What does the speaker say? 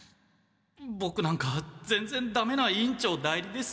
ボクなんかぜんぜんダメな委員長代理です。